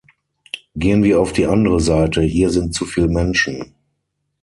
Gehen wir auf die andere Seite; hier sind zuviel Menschen.